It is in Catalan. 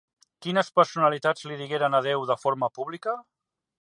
Quines personalitats li digueren adeu de forma pública?